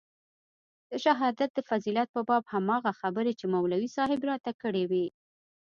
د شهادت د فضيلت په باب هماغه خبرې چې مولوي صاحب راته کړې وې.